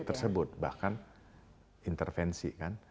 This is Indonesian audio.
tersebut bahkan intervensi kan